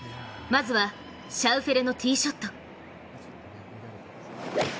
まずはシャウフェレのティーショット。